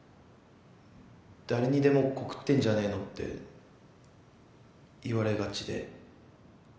誰にでもコクってんじゃねえのって言われがちで。